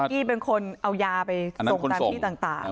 กี้เป็นคนเอายาไปส่งตามที่ต่าง